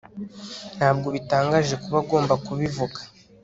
Ntabwo bitangaje kuba agomba kubivuga